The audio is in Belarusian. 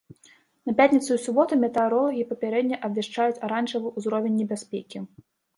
На пятніцу і суботу метэаролагі папярэдне абвяшчаюць аранжавы ўзровень небяспекі.